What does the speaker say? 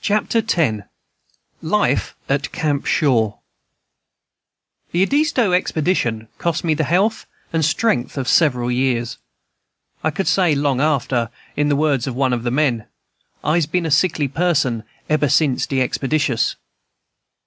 Chapter 10 Life at Camp Shaw The Edisto expedition cost me the health and strength of several years. I could say, long after, in the words of one of the men, "I'se been a sickly person, eber since de expeditious."